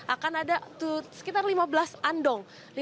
akan ada sekitar lima belas andong